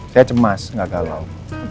saya cemas ga galau